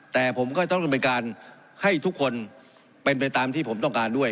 แต่ผมก็ต้องดำเนินการให้ทุกคนเป็นไปตามที่ผมต้องการด้วย